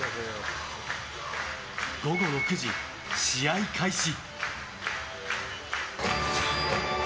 午後６時、試合開始。